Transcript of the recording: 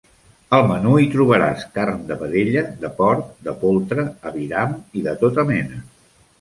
Al menú hi trobaràs carn de vedella, de porc, de poltre, aviram i de tota mena.